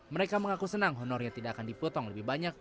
mereka mengaku senang honornya tidak akan dipotong lebih banyak